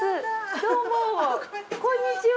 どうもこんにちは。